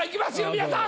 皆さん。